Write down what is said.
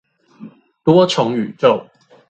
多重宇宙